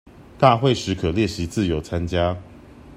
大會時可列席自由參加